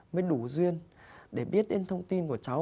mới đủ duyên để biết đến thông tin của cháu